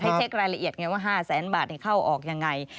ให้เท็กรายละเอียดไงว่า๕๐๐๐๐๐บาทเข้าออกยังไง